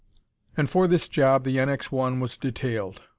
And for this job the NX 1 was detailed.